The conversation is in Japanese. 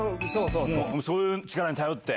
そういう力に頼って。